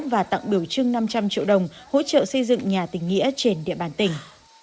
và tặng biểu trưng năm trăm linh triệu đồng hỗ trợ xây dựng nhà tình nghĩa trên địa bàn tỉnh